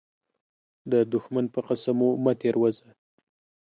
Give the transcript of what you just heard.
د دښمن په قسمو مه تير وزه.